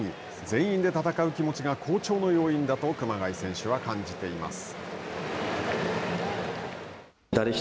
全員で戦う気持ちが好調の要因だと熊谷選手は感じています。